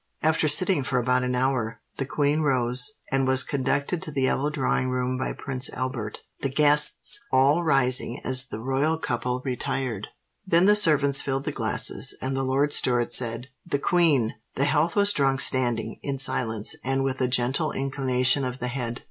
After sitting for about an hour, the Queen rose, and was conducted to the Yellow Drawing Room by Prince Albert, the guests all rising as the royal couple retired. Then the servants filled the glasses, and the Lord Steward said, "The Queen!" The health was drunk standing, in silence, and with a gentle inclination of the head.